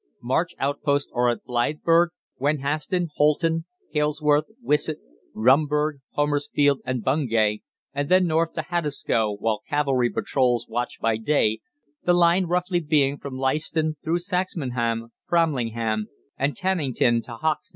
] "March outposts are at Blythburgh, Wenhaston, Holton, Halesworth, Wissett, Rumburgh, Homersfield, and Bungay, and then north to Haddiscoe, while cavalry patrols watch by day, the line roughly being from Leiston through Saxmundham, Framlingham, and Tannington, to Hoxne.